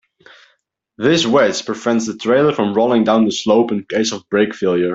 This wedge prevents the trailer from rolling down the slope in case of brake failure.